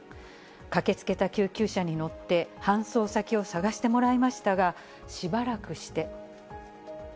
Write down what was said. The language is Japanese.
駆けつけた救急車に乗って、搬送先を探してもらいましたが、しばらくして。